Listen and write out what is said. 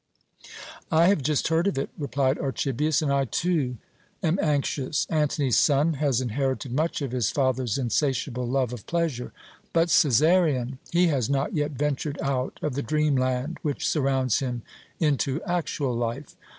"I have just heard of it," replied Archibius, "and I, too, am anxious. Antony's son has inherited much of his father's insatiable love of pleasure. But Cæsarion! He has not yet ventured out of the dreamland which surrounds him into actual life.